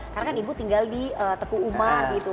karena kan ibu tinggal di tegu umar gitu